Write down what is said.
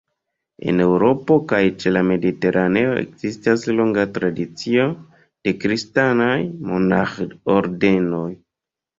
En Eŭropo kaj ĉe la Mediteraneo ekzistas longa tradicio de kristanaj monaĥ-ordenoj.